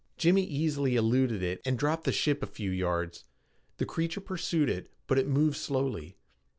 Jimmy easily eluded it and dropped the ship a few yards. The creature pursued it, but it moved slowly.